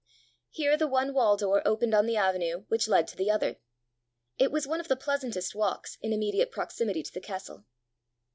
Here the one wall door opened on the avenue which led to the other. It was one of the pleasantest walks in immediate proximity to the castle.